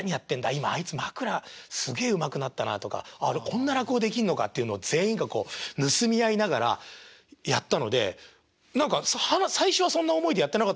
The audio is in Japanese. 今あいつ枕すげえうまくなったなとかこんな落語できんのかっていうのを全員がこう盗み合いながらやったので何か最初はそんな思いでやってなかったんですけどどんどん徐々にお互いがお互いを盗み合いながら